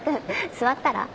座ったら？